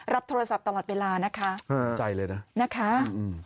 โทรศัพท์ตลอดเวลานะคะดีใจเลยนะนะคะอืม